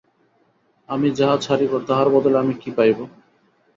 আমি যাহা ছাড়িব তাহার বদলে আমি কী পাইব।